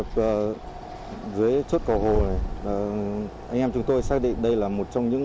làm việc dưới chốt cầu hồ này anh em chúng tôi xác định đây là một trong những